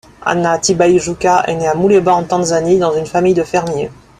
Anna Tibaijuka est née à Muleba, en Tanzanie, dans une famille de fermiers.